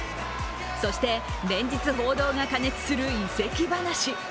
そして連日報道が過熱する移籍話。